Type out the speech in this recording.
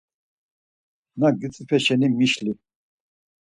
Na gitzvipe şeni mişli.